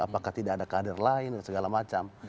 apakah tidak ada kader lain dan segala macam